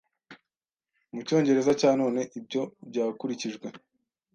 mu Cyongereza cya none Ibyo byakurikijwe